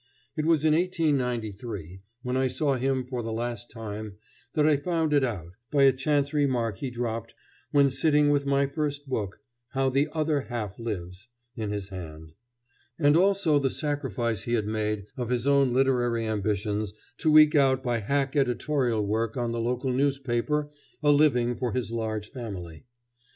It was in 1893, when I saw him for the last time, that I found it out, by a chance remark he dropped when sitting with my first book, "How the Other Half Lives," in his hand, and also the sacrifice he had made of his own literary ambitions to eke out by hack editorial work on the local newspaper a living for his large family.